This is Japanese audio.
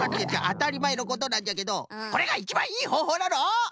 あたりまえのことなんじゃけどこれがいちばんいいほうほうなの！